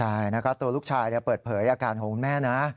ใช่นะคะตัวลูกชายเปิดเผยอาการของคุณแม่นะ